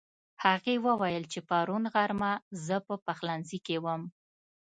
هغې وويل چې پرون غرمه زه په پخلنځي کې وم